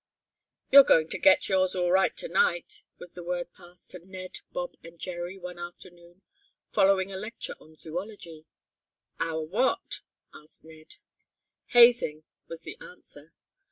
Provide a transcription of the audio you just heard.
"You're going to get yours all right to night," was the word passed to Ned, Bob and Jerry one afternoon, following a lecture on zoology. "Our what?" asked Ned. "Hazing," was the answer.